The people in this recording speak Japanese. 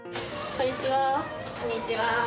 こんにちはー。